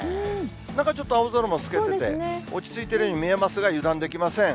なんかちょっと青空も透けてて、落ち着いているように見えますが、油断できません。